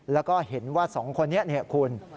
แล้วก็เห็นว่าสองคนนี้คุณ